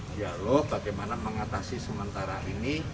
dialog bagaimana mengatasi sementara ini